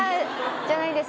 じゃないです。